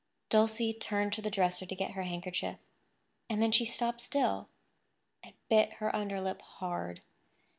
Dulcie turned to the dresser to get her handkerchief; and then she stopped still, and bit her underlip hard.